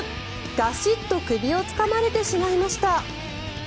ガシッと首をつかまれてしまいました。